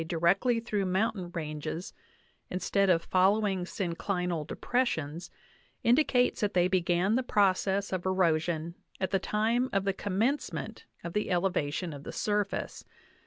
directly through mountain ranges, instead of following syn clinal depressions, indicates that they began the process of ero \ sion at the time of the commencement of the elevation of the J surface.